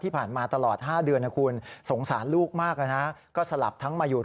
พ่อกับแม่ก็ต้องผ่าตัดต่อมาดู